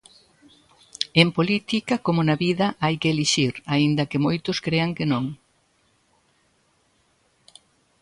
En política, como na vida, hai que elixir, aínda que moitos crean que non.